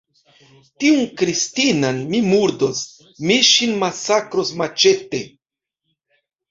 Tiun Kristinan mi murdos, mi ŝin masakros maĉete!